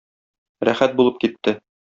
Рәхәт булып китте.